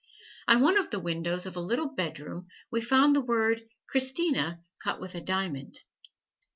On one of the windows of a little bedroom we found the word "Christina" cut with a diamond.